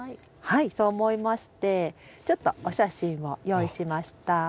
はいそう思いましてちょっとお写真を用意しました。